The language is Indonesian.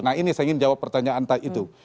nah ini saya ingin jawab pertanyaan pak jokowi itu